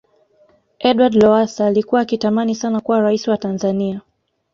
edward lowasa alikuwa akitamani sana kuwa raisi wa tanzania